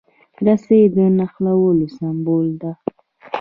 رسۍ د نښلولو سمبول ده.